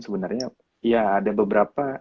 sebenarnya ya ada beberapa